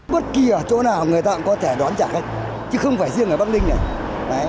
bất kỳ ở chỗ nào người ta cũng có thể đón trả khách chứ không phải riêng ở bắc ninh này